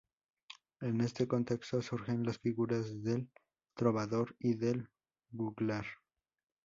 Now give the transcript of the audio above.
En este contexto surgen las figuras del trovador y del juglar.